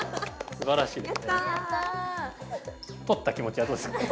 取った気持ちはどうですか？